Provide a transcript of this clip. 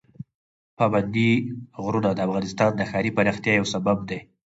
پابندي غرونه د افغانستان د ښاري پراختیا یو سبب دی.